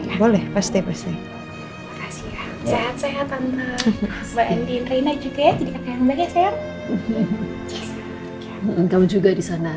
udah pasir beg beg aja kan